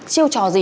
chiêu trò gì